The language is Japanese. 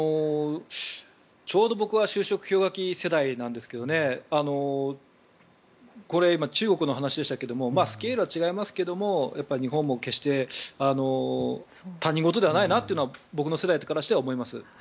ちょうど僕は就職氷河期世代なんですが中国の話でしたがスケールは違いますが日本も決して他人事ではないなというのは僕の世代からしては思います。